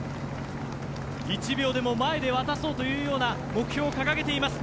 １秒でも前で渡そうという目標を掲げています。